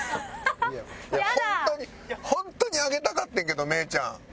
ホントにホントにあげたかってんけど芽郁ちゃん。